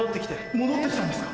戻って来たんですか？